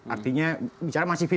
artinya bicara masih vtv tapi